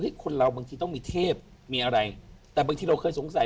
คนเราบางทีต้องมีเทพมีอะไรแต่บางทีเราเคยสงสัย